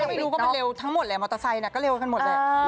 ก็มันเร็วทั้งหมดแหละมอเตอร์ไซส์ก็เร็วกันหมดเลย